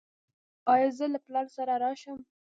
ایا زه له پلار سره راشم؟